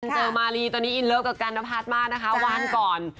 เจอมาลีตอนนี้อินเลิฟกับการนพัฒน์มากนะคะวานก่อน